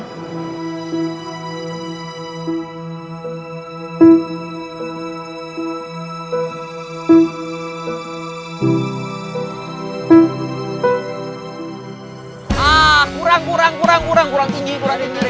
ternyata aldino itu sesuka ini sama michelle